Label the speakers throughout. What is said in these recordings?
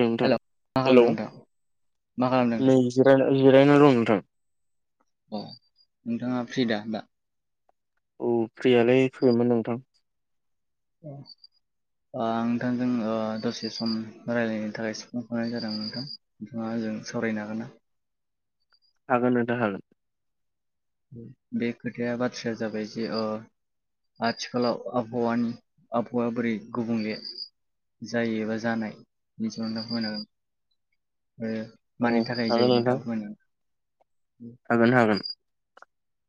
Speaker 1: नोंथां
Speaker 2: हेल' मा खालामदों
Speaker 1: हेलौ
Speaker 2: नोंथां मा खालामदों
Speaker 1: नै जिरायना जिरायना दं नोंथां।
Speaker 2: अ नोंथाङा फ्रिदा दा?
Speaker 1: औ फ्रियालाय फैबायमोन नोंथां।
Speaker 2: औ आं नोंथांजों ओ दसे सम रायलायनो थाखाय सुफुंहरनाय जादों नोंथां। नोंथाङा आजों सावरायनो हागोन ना?
Speaker 1: हागोन नोंथां हागोन।
Speaker 2: बे खोथाया बाथ्राया जाबाय जे ओ आथिखालाव आबहावानि आबहावाया बोरै गुबुंले जायो एबा जानाय नोंथां खमायनांगोन ओ
Speaker 1: अ हागोन नोंथां। हागोन हागोन।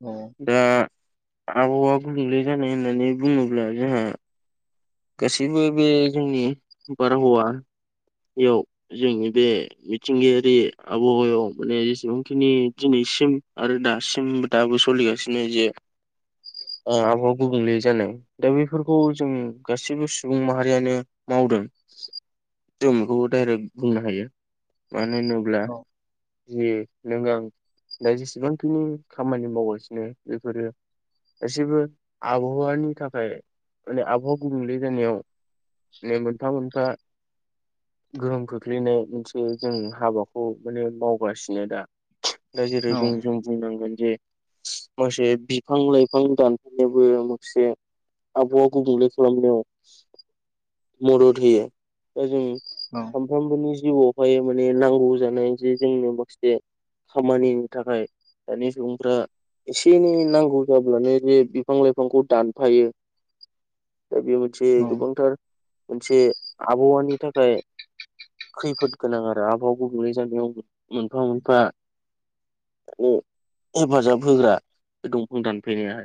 Speaker 2: अ
Speaker 1: दा आबहावा गुबुंले जानाय होननानै बुङोब्ला जोंहा गसिबो बे जोंनि बार हावआ इयाव जोंनि बे मिथिंगायारि आबहावायाव माने जेसेबांखिनि दिनैसिम आरो दासिम दाबो सोलिगासिनो जे
Speaker 2: [inaudible]
Speaker 1: ओ आबहावा गुबुंले जानाय। दा बेफोरखौ जों गासैबो सुबुं माहारियानो मावदों। जों बेखौ डाइरेक्ट बुंनो हायो मानो होनोब्ला
Speaker 2: औ
Speaker 1: जि नों आं दा जेसेबांखिनि खामानि मावगासिनो बेफोरो गासैबो आबहावानि थाखाय माने आबहावा गुबुंले जानायाव माने मोनफा मोनफा गोहोम खोख्लैनाय मोनसे जों हाबाखौ माने मावगासिनो दा दा जेरै
Speaker 2: औ
Speaker 1: बुं जों बुंनांगोन जे माखासे बिफां लाइफां दानफैनोबो माखासे आबहावा गुबुंले खालामनायाव मदद होयो दा जों
Speaker 2: औ
Speaker 1: सानफ्रामबोनि जिउआवहाय माने नांगौ जानाय जे जोंनो माखासे खामानिनि थाखाय दानि सुबुंफ्रा एसे एनै नांगौ जाब्लानो जे बिफां लाइफांखौ दानफायो दा बे मोनसे
Speaker 2: औ
Speaker 1: गोबांथार मोनसे आबहावानि थाखा
Speaker 2: [unintelligible]
Speaker 1: खैफोद गोनां आरो आबहाव गुबुंलै जानायाव मोनफा मोनफा ए हेफाजाब होग्रा बे दंफां दानफैनाया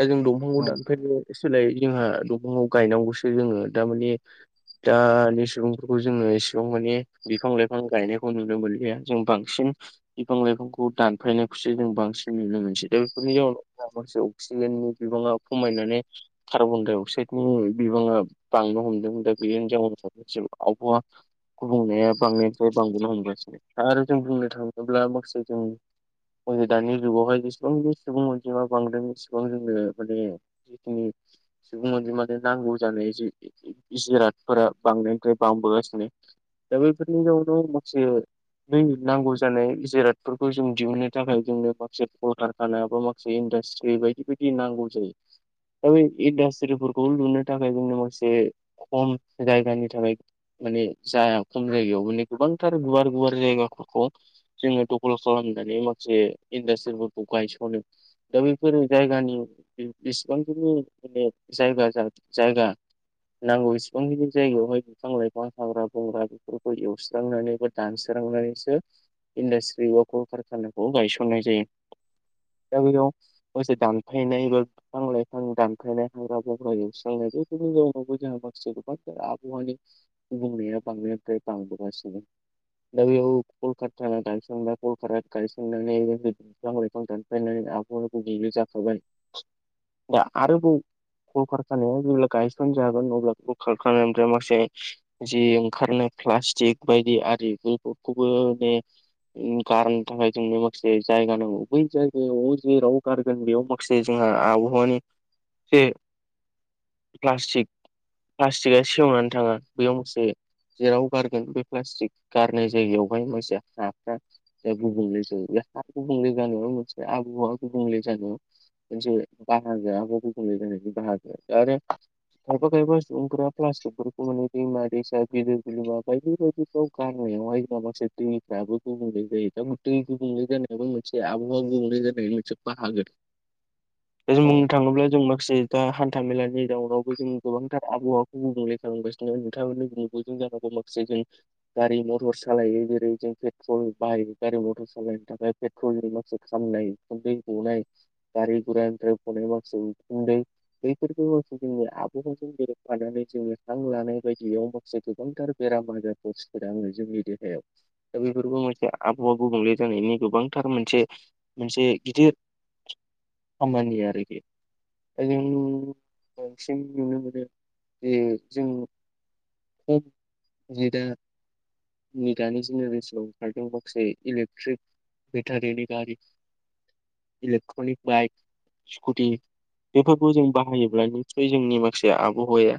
Speaker 1: दा जों दंफांखौ
Speaker 2: औ
Speaker 1: दानफायनाय सोलाय जोंहा दंफांखौ गायनांगौसो जोङो दामाने दानि सुबुं जोंङो एसेबां माने लाइफां गायनायखौ नुनो मोनलिया जों बांसिन बिफां लाइफांखौ दानफायनायखौसो जों बांसिन नुनो मोनसै दा बेफोरनि जाउनाव माखासे अक्सिजेननि बिबाङा खमायनानै कार्बन डाइ अक्साइडनि बिबाङा बांनो हमदोंमोन दा बे हिजाव सासे आबहावा गुबुंनाया बांनायनिफ्राय बांबोनो हमगासिनो आरो जों बुंनो थाङोब्ला माखासे जों दानि जुगावहाय जेसेबां सुबुं अनजिमा बांदों बेसेबां जोङो माने जिखिनि सुबुं अनजिमानि नांगौ जानाय जिइ जिरादफोरा बांदों बांबो गासिनो दा बैफोरनि जाउनाव माखासे दै नांगौ जानाय जिरादफोरखौ जों दिहुननो थाखाय जोंनो माखासे [unintelligible] थानायाबो माखासे इन्डासट्रि बायदि बायदि नांगौ जायो दा बे इन्डास्ट्रिफोरखौ लुनो जोंनो खम जायगानि थाखाय माने जाया खम जायगायाव माने गोबांथार गुवार गुवार जायगाफोरखौ जोङो दखल खालामनानै माखासे इन्डासट्रिफोरखौ गायस'नो। दा बैफोर जायगानि बिसिबांखिनि माने जायगा जा जायगा नांगौ इसिबांखिनि जायगायावहाय बिफां लाइफां हाग्रा बंग्रा बेफोरखौ एवस्रांनानै बा दानस्रांनानैसो इन्डास्ट्रि एबा कल कारखानाखौ गायसननाय जायो दा बेयाव लोगोसे दानफायनाय एबा बिफां लाइफां दानफायनाय हाग्रा बंग्रा एवस्रांनाय बेफोरखौ जाउनावबो जों माखासे गोबांथार आबहावानि गुबुंनाया बांनायनिफ्राय बांबोगासिनो दा बैयाव कल कारखाना गायसनग्रा कल कारखाना गायसंनानै [unintelligible] बिफां लाइफां दानफायनानै आबहावा गुबुंले जाखाबाय दा आरोबाव कल कारखानाया जेब्ला गायसन जागोन अब्ला कल कारखानानिफ्राय माखासे जि ओंखारनाय प्लास्टिक बायदि आरिनि बेफोरखौबो माने उम गारनो थाखाय जोंनो माखासे जायगा नांगौ बै जायगायाव जेराव गारगोन बेयाव माखासे जोङा आबहावानि जे प्लासटिक प्लासटिक आ सेवनानै थाङा बेयाव मोनसे जेराव गारगोन बे प्लास्टिक गारनाय जायगायावहाय मानसिया [unintelligible] जे गुबुंले जायो हा गुबुंले जानायाव आबहावा गुबुंले जानायाव मोनसे बाहागोआ आबहावा गुबुंले जानायनि मोनसे बाहागो आरो खायफा खायफा सुबुंफोरा प्लाटिकफोरखौ माने दैमा दैसा बिलो बिलोमा बायदि बायदिफ्राव गारनायावहाय माखासे दैफ्राबो गुबुंले जायो दा दै गुबुंले जानायाबा मोनसे आबहावा गुबुंले जानायनि मोनसे बाहागो।
Speaker 2: [inaudible]
Speaker 1: जों बुंनो थाङोब्ला जों मा गांसे दा हान्थामेलानि जाउनावबो जों गोबांथार आबहावाखौ गुबुंले खालामगासि नोंथाङानो [unintelligible] नुबोदों जानांगौ माखासे जों गारि मटर सालायो जेरै जों पेट्रल बाहायो गारि मटर सालायनो थाखाय पे उखुन्दै माखासे खामनाय उखुन्दै गनाय गारि गुरानिफ्राय गनाय माखासे उखुन्दै बैफोरखौ माखासे जोंनि आबहावाजों गोरोबफानानै जोङो हां ला नाय बायदियाव माखासे गोबांथार बेराम आजारखौ सोना होयो‌ जोंनि देहायाव दा बेफोरबो मोनसे आबहावा गुबुंले जानायनि गोबांथार मोनसे मोनसे गिदिर खामानि आरोखि दा जों बांसिन नुनो मोनो जे जों [unintelligible] जे दा नै दानि जेनेरेसनाव ओंखारदों माखासे इलेक्ट्रिक बेटारिनि गारि इलेक्ट्रनिक बाइक स्कुटि बेफोरखौ जों बाहायोब्ला निसय जोंनि माखासे आबहावाया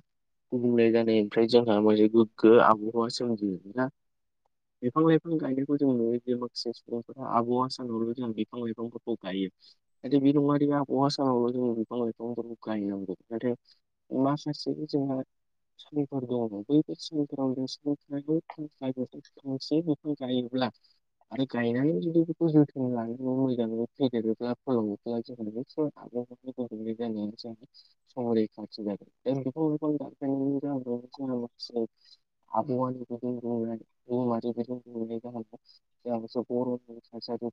Speaker 1: गुबुंले जा नायनिफ्राय जोंहा मोनसे गोग्गो आबहावा सोमजियो ना? बिफां लाइफां गायनायखौ जों नुयोदि माखासे सुबुंफोरा आबहावा सानावल' जों बिफां लाइफांफोरखौ गायो। नाथाय बि नङादि आबहावा सानावल' जों बिफां लाइफांफोरखौ गायनांगौ। नाथाय माखासेखो जोंहा [unintelligible] दङ बैफोर सुलिफोराव जों सुलि थानायखौ थांखिनाय बायदि फांसे बिफां गायोब्ला आरो गायनानै जुदि बेखौ जोथोन लायो मोजाङै फेदेरोब्ला फोलावोब्ला जों बेखौ [unintelligible] [unintelligible] संरैखाथिदों [unintelligible] [unintelligible] आबौ जिबायदि [unintelligible] [unintelligible] बांदों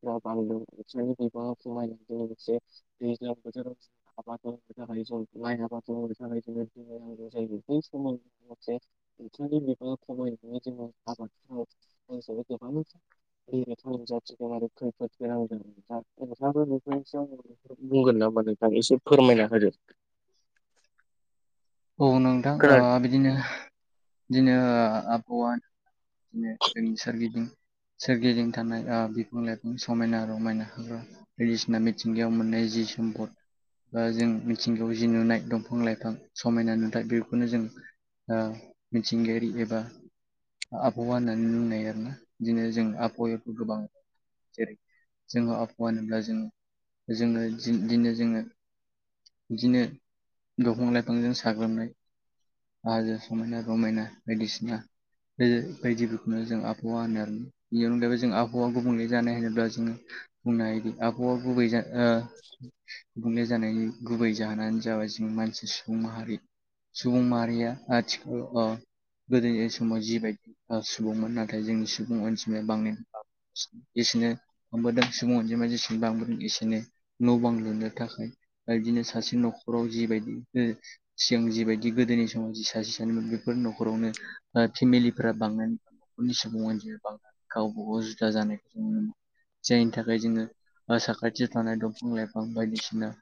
Speaker 1: बिबांआ खमायनायजों लोगोसे दैज्लां बोथोराव आबाद मावनो थाखाय जों माइ आबाद मावनो थाखाय जोंनो दै नांगौ जायो। बै समाव जों मोनसे [unintelligible] मैगंआ खमायनानै जोङो आबाद गोबां मोन [unintelligible] नुजाथिदों आरो खैफोद गोनां नोंथां [unintelligible] बुंगोन नामा नोंथां एसे फोरमायना होदो।
Speaker 2: औ नोंथां ओ
Speaker 1: खोना
Speaker 2: बिदिनो बिदिनो आबहावा बिदिनो जोंनि सोरगिदिं सोरगिदिं थानाय आ बिफां लाइफां समायना रमायना बायदिसिना मिथिंगायाव मोननाय जि सम्पद बा जों मिथिंगायाव जि नुनाय दंफां लाइफां समायना नुथाय बेखौनो जों मिथिंगायारि एबा आबहावा होननानै नुनाय आरोना बिदिनो जों आबहावायाथ' गोबां जेरै जोङो आबहावा होनोब्ला जों जोङो इदिनो जोङो इदिनो दंफां लाइफांजों साग्लोबनाय आरो समायना रमायना बायदिसिना बे बायदिफोरखौनो जों आबहावा होनो आरो ना बेनि अनगायबो जों आबहावा गुबुंले जानाय होनोब्ला जोङो बुंनो हायोदि आबहावा गुबै जा ओ गुबुंले जानायनि गुबै जाहोनानो जाबाय जों मानसि सुबुं माहारि सुबुं माहारि रिया आथिखाल अ गोदोनि समाव जिबायदि सुबुंमोन नाथाय जोंनि सुबुं अनजिमाया बांनाय जेसेनो बांबोदों सुबुं अनजिमाया जेसे बांबोदों एसेनो न' बां लुनो थाखाय बिदिनो सासे न'खराव जिबायदि ओ सिगां जिबायदि गोदोनि समाव जि सासे सानैमोन बेफोर न'खरावनो फेमिलिफोरा बांनाय सुबुं अनजिमा गावबाागाव जुदा जानायखौ जों जायनि थाखाय जोङो साखाथियाव थानाय दंफां लाइफां बायदिसिना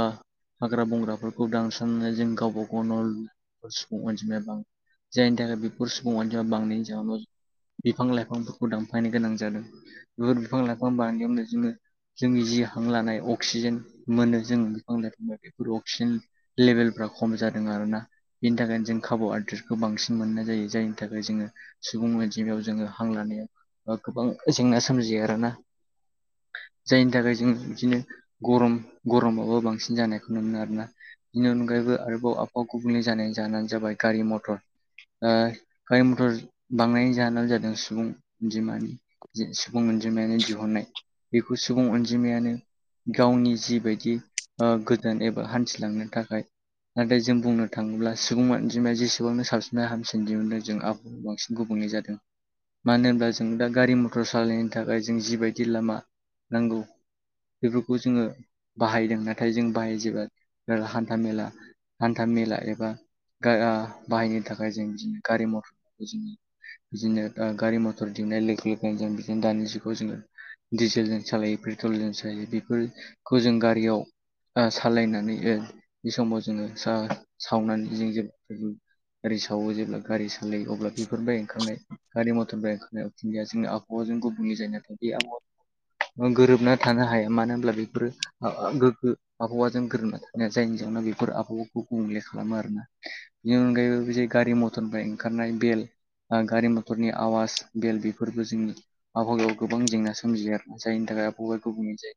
Speaker 2: ओ हाग्रा बंग्राफोरखौ दानस्रांनो जों गावबा गाव न' बेफोर सुबुं अनजिमाया बां जायनि थाखाय बेफोर सुबुं अनजिमाया बांनायनि जाहोनाव जों बिफां लाइफांफोरखौ दानफायनो गोनां जादों बेफोर बिफां लाइफां [unintelligible] नायजोंनो जोंनि जि हां लानाय अक्सिजेन मोनो जों बिफां लाइफांबाय बेफोर अक्सिजेन लेबेलफ्रा खम जादों आरोना। बिनि थाखायनो जों खाबु आदारखौ बांसिन मोननाय जायो जायनि थाखाय जोङो सुबुं अनजिमायाव जोङो हां लानायाव ओ गोबां जेंना सोमजियो आरोना। जायनि थाखाय जों इदिनो गरम गरमाबो बांसिन जानायखौ नुनो मोनो आरोना बिनि अनगायैबो आरोबाव आबहावा गुबुंले जानाय जाहानो जाबाय गारि मथर ओ गारि मथर बांनायनि जाहोनानो जादों सुबुं अनजमानि जे सुबुं अनजिमायानो दिहुननाय बेखौ सुबुं अनजिमायानो गावनि जिबायदि गोजान एबा हान्थिलांनो थाखाय नाथाय जों बुंनो थाङोब्ला सुबुं अनजिमाया जेसेबांनो साबसिननाय हामसिन दिहुनदों जों आबहावाया बांसिन गुबुंले जादों। मानो होनब्ला जों दा गारि मथर सालायनो थाखाय जों जिबायदि लामा नांगौ बेफोरखौ जोंङो बाहायदों नाथाय जों बाहाय जोबो हान्था मेला हान्था मेला एबा गा ओ बाहायनो थाखाय जों बिदिनो गारि मथरफोरखौ जोंङो बिदिनो ओ गारि मथर दिंहुनाय लोगो लोगो जों बिदिनो दानि जुगावजोंङो दिडिजेलजों सालायो पेट्रलजों सालायो बेफोरखौ जों गारियाव ओ सालायनानै ओ बे समाव जोंङो सा सावनानै जों जेब्ला जरै सावो जेब्ला गारि सालायो अब्ला बेफोरबाय ओंखारनाय गारि मटर निफ्राय ओंखारनाय उखुन्दैया जोंनि आबहावाजों गुबुननि जायो नाथाय बे आबहावाखौ गोरोबना थानो हाया मानो होनब्ला बेफोरो ओ ओ गोग्गो आबहावाजों गोरोबा थानाया जायनि जाहोनाव बेफोर आबहावाखौ गुबुंले खालामो आरो ना बेनि अनगायैबो बेदि गारि मथर निफ्राय ओंखारनाय बेल ओ गारि मथरनि आवाज बेल बेफोरबो जोंनि आबहावागआव गोबां जेंना सोमजिगोन जायनि थाखाय आबहावाया गुबुंले जायो।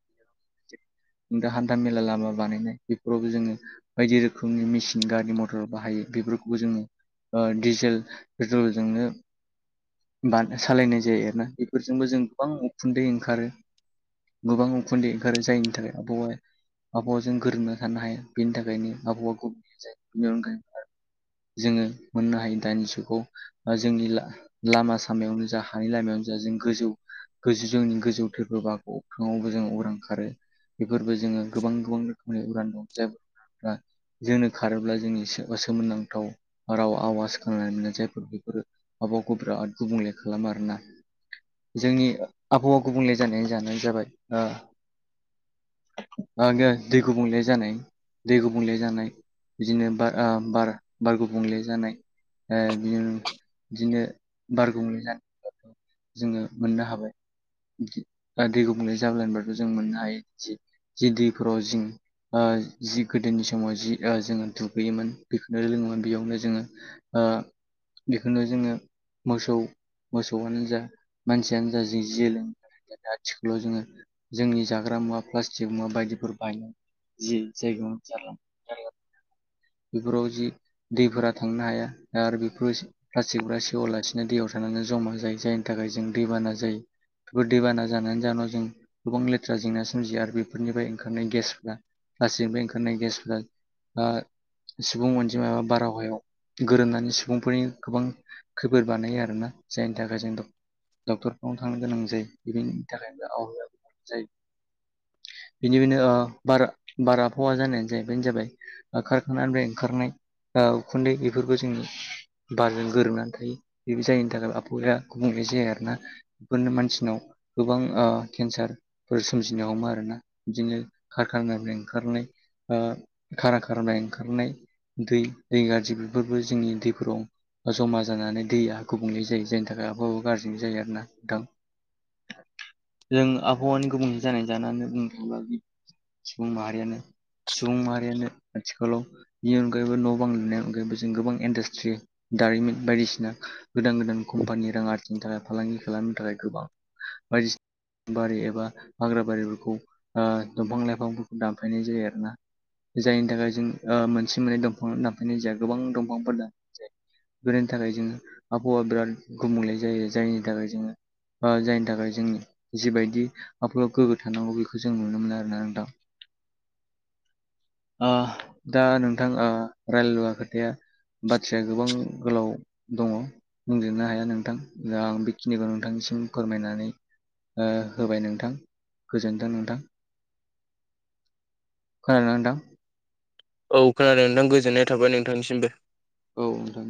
Speaker 2: दा हान्था मेला लामा बानायनाय बेफोरावबो जोंङो बायदि रोखोम रोखोमनि मेसिन गारि मथर बाहायो बेफोरखौबो ओ डिजेल पेट्रलजों नो सालायनाय जायो आरोना बेफोरजोंबो जों गोबां उखुन्दै ओंखारो गोबां उखुन्दै ओंखारो जायनि थाखाय आबहावा आबहावाजों गोरोबना थानो हाया बेनि थाखायनो आबहावा गुब जायो बेनि अनगायै जोंङो मोननो हायो दानिजुगाव जोंनि ला लामा सामायावनो जा हानि लामायावनो जा जों गोजौ गोजौ जोंनि गोजौथबो बा अख्रङावबो जों उरां खारो बेफोरबो जोंङो गोबां गोबां रोखोमनि उरान दं जाय- जोंनो खारोब्ला जोंनि सोमोनांथाव राव आवाज खोनानाय मोनो जायफोर बेफोरो आबहाखौ गोबां गुबुंले खालाम आरोना जोंनि आबहावा गुबुंले जानायनि जाहोनानो जाबाय ओ दै गुबुंले जानाय दै गुबुं गुबुंले जानाय बिदिनो ब बार बार गुब' बुंले जानाय ओ दिन बिदिनो बार गुबुंले जानाय जोंङो मोननो हाबाय। बा दै गुबुंले जानायनि ' जों मोननो हायो जिं दैफोराव जिं ओ जिं गोदोनि समाव जि ओ जोंङो दुगैयोमोन बेखौनो लोङोमोन बेयावनो जोंङो बेखौनो जोंङो मोसौ मोसौआनो जा मानसियानो जि जिजों लोंयो आथिखालाव जोंङो जोंनि जाग्रा मुवा प्लास्टिक मुवा बायदिफोर बाय जि जायगायाव [inaudible] जारला मोरला बेफोराव जि दैफोरा थांनो हाया दा आरो बेफोर प्लास्टिकफोररा सेवालासिनो दैयाव थानानै जमा जायो जायनि थाखाय दैबाना जायो। बेफोर दैबाना जानायनि जाहोनाव जों गोबां लेथ्रा जेंना सोमजियो आरो बेफोरनिफ्राय ओंखारनाय गेसफ्रा प्लास्टिकनिफ्राय ओंखारनाय गेसफोरा दा सुबुं अनजिमा एबा बारहावायाव गोरोबनानै सुबुंफोरनि गोबां खैफोर बानायो आरोना जायनि थाखाय जों द डक्टरफ्राव थांनो गोनां जायो बेनि थाखायनो आबहावायाबो जायो। बेनिफ्रायनो ओ बारा बार आबहावा जानायानो जाहै बेनो जाबाय कारखानानिफ्राय ओंखारनाय ओ उखुन्दै बेफोरखौ जोंनि बारजों गोरोबनानै थायो बे जायैनि थाखाय आबहाया गुबुंले जाया आरोना। बेफोरनो मानसिनाव। गोबां ओ केन्सारफोर सोमजिनो हमो आरोना बिदिनो खारखनायनिफ्राय ओंखारनाय। ओ खारा ओंखारनाय दै दै गाज्रि बेफोरबो जोंनि दै फोराव जमा जानानै दैया गुबुंले जायो जायनि थाखाय आबहाबो गाज्रि जायो आरो नोंथां जों आबहावानि गुबुंले जानानि जाहोनानो बुंनो थांब्ला सुबुं माहारियानो सुबुं माहारियानो आथिखालाव बेनि अनगायैबो न' बां लुनायनि अनगायैबो जों गोबां इन्डासट्रि दारिमिन बायदिसिना गोदान गोदान कम्पानि रां आरजिनो थाखाय फालांगि खालामनो थाखाय गोबां बायदिसिना बारि एबा हाग्रा बारिफोरखौ ओ दंफां लाइफांफोरखौ दानफाइनाय जायो आरो ना जायनि थाखाय जों ओ मोनसे मोननै दंफां दानफैनाय जाया गोबां दंफांफोर दानो बेरायनि थाखाय जोङो आबहावा बिराद गुबुंले जायो जायनि थाखाय जोङो ओ जायनि थाखाय जों जिबायदि आबलाव गोग्गो थानांगौ बेखौ जों नुनो मोनो आरोना नोंथां ओ दा नोंथां ओ रायलुवा खोथाया बाथ्राया गोबां गोलाव दङ बुंजेननो हाया नोंथां दा आं बेखिनिखौ नोंथांनिसिम फोरमायनानै ओ होबाय नोंथां गोजोनथों नोंथां खोनादोना नोंथां
Speaker 1: औ खोनादों नोंथां गोजोननाय थाबाय नोंथांनिसिमबो
Speaker 2: औ नोंथां